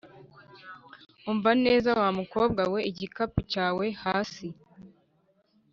umva neza wamukobwa we igikapu cyawe hasi